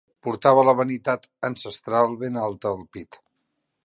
Portava la vanitat encestral ben alta al pit.